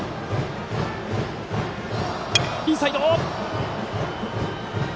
インサイド！